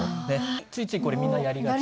ついついこれみんなやりがち。